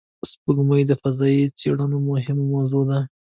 سپوږمۍ د فضایي څېړنو مهمه موضوع ده